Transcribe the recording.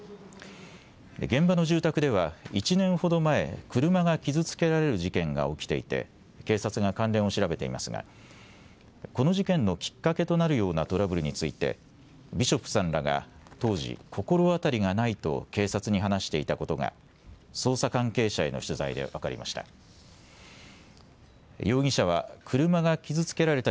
現場の住宅では、１年ほど前、車が傷つけられる事件が起きていて、警察が関連を調べていますが、この事件のきっかけとなるようなトラブルについて、ビショップさんらが当時、心当たりがないと警察に話していたことが、捜査関係者への取材で分かりました。